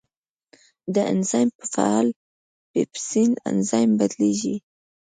دا انزایم په فعال پیپسین انزایم بدلېږي.